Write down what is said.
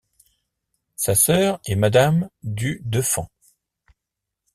Sa sœur est Madame du Deffand.